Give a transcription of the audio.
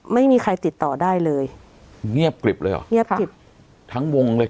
ไม่มีใครติดต่อได้เลยเงียบกริบเลยเหรอเงียบกริบทั้งวงเลยค่ะ